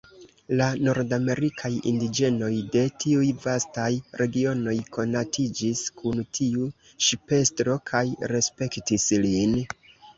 La nordamerikaj indiĝenoj de tiuj vastaj regionoj konatiĝis kun tiu ŝipestro kaj respektis lin.